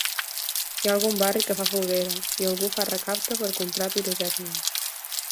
Hi ha algun barri que fa foguera i algú fa recapte per comprar pirotècnia.